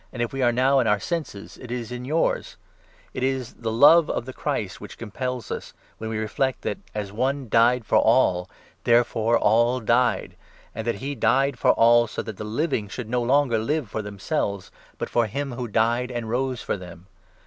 If we are now in our senses, it is in yours ! It is the love of the Christ which compels us, when we 14 reflect that, as one died for all, therefore all died ; and that he 15 died for all, so that the living should no longer live for them selves, but for him who died and rose for them.